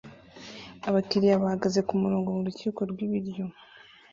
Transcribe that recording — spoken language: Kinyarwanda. Abakiriya bahagaze kumurongo murukiko rwibiryo